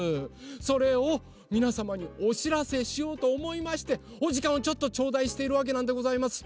それをみなさまにおしらせしようとおもいましておじかんをちょっとちょうだいしているわけなんでございます。